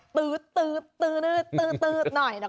ตึ๊ดตึ๊ดตึ๊ดหน่อยนะคะ